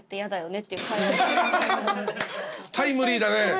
タイムリーだね。